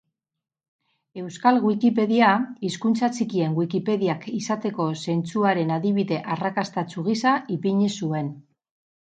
Euskal Wikipedia hizkuntza txikien wikipediak izateko zentzuaren adibide arrakastatsu gisa ipini zuen